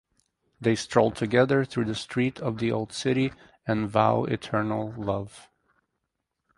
They stroll together through the street of the old city and vow eternal love.